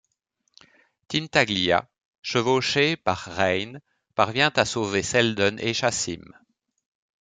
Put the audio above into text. Tintaglia, chevauchée par Reyn, parvient à sauver Selden et Chassim.